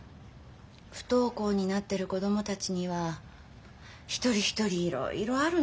不登校になってる子供たちには一人一人いろいろあるの。